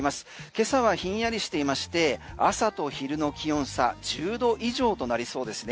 今朝はひんやりしていまして朝と昼の気温差１０度以上となりそうですね。